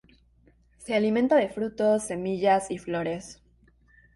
Se alimenta de frutos, semillas y flores.